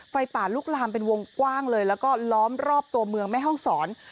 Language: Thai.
ไฟป่าลุกลามเป็นวงกว้างเลยแล้วก็ล้อมรอบตัวเมืองแม่ห้องศร